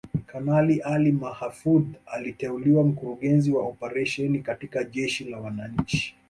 Kanali Ali Mahfoudh aliteuliwa Mkurugenzi wa Operesheni katika Jeshi la Wananchi